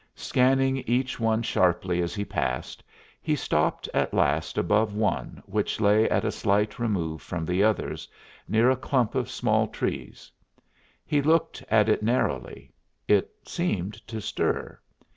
Scanning each one sharply as he passed, he stopped at last above one which lay at a slight remove from the others, near a clump of small trees. He looked at it narrowly. It seemed to stir.